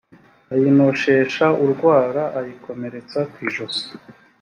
ayinosheshe urwara ayikomeretse ku ijosi